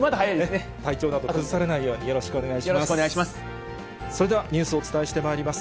体調など崩されないようによろしくお願いします。